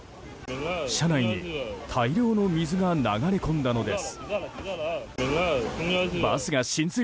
車内に大量の水が流れ込んだのです。